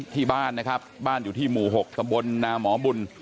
ที่บ้านนะครับบ้านอยู่ที่หมู่๖ตำบลนาหมอบุญ